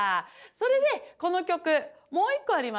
それでこの曲もう１個ありますね。